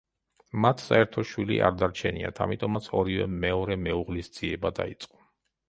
მათ საერთო შვილი არ დარჩენიათ, ამიტომაც ორივემ მეორე მეუღლის ძიება დაიწყო.